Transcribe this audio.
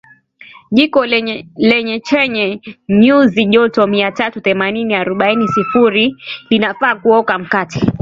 jiko lenye chenye nyuzijoto mia tatu themanini arobaini sifuri oF linafaa kuoka mkate